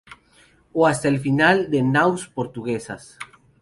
O hasta el final, las nau portuguesas.